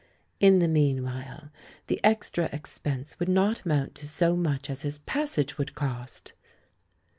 In the meanwhile, the extra expense would not amount to so much as his pas sage would cost